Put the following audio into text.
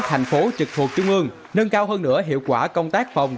thành phố trực thuộc trung ương nâng cao hơn nữa hiệu quả công tác phòng